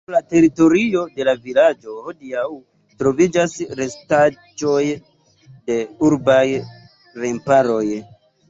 Sur la teritorio de la vilaĝo hodiaŭ troviĝas restaĵoj de urbaj remparoj.